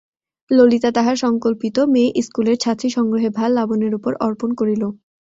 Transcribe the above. ললিতা তাহার সংকল্পিত মেয়ে-ইস্কুলের ছাত্রীসংগ্রহের ভার লাবণ্যের উপর অর্পণ করিল।